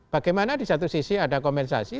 bagaimana di satu sisi ada kompensasi